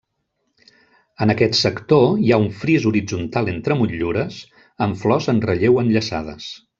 En aquest sector hi ha un fris horitzontal entre motllures amb flors en relleu enllaçades.